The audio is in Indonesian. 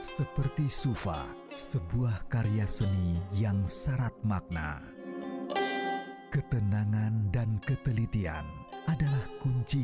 seperti sufa sebuah karya seni yang syarat makna ketenangan dan ketelitian adalah kunci